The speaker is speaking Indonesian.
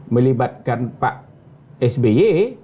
melibatkan pak s b y